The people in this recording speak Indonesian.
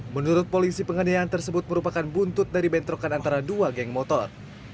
menurut polisi penganiayaan tersebut merupakan buntut dari bentrokan antara dua geng motor